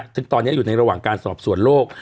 ซึ่งตอนนี้อยู่ในระหว่างการสอบสวนโลก